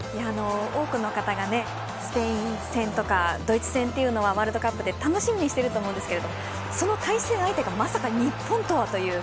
多くの方がスペイン戦とかドイツ戦というのはワールドカップで楽しみにしていると思いますがその対戦相手がまさか日本とは。